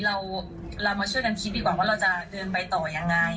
เรามาช่วยกันคิดดีกว่าว่าเราจะเดินไปต่อยังไง